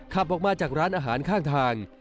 ขับออกมาจากร้านอาหารข้างทาง